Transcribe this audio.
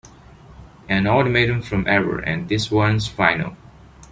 An ultimatum from Edward and this one's final!